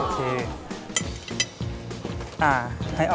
ใช่